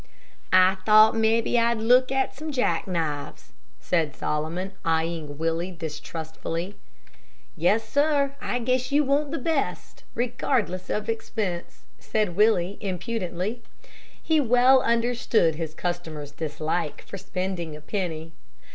"I thought mebbe I'd look at some jack knives," said Solomon, eyeing Willie distrustfully. "Yes, sir, I guess you want the best, regardless of expense," said Willie, impudently. He well understood his customer's dislike for spending a penny.